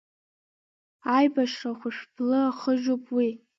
Аибашьра ахәшәблы ахыжьуп уи…